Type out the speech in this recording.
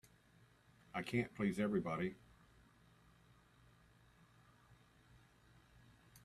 I can't please everybody.